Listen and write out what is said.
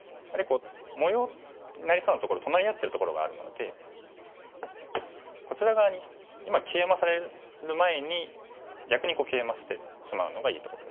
模様になりそうなところ隣り合ってるところがあるのでこちら側に今ケイマされる前に逆にケイマしてしまうのがいいところですね。